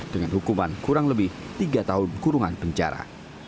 dengan hukuman kurang lebih tiga tahun kurungan penjara